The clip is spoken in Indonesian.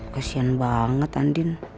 kasian banget andien